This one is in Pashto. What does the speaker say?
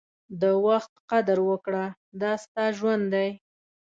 د وخت قدر وکړه، دا ستا ژوند دی.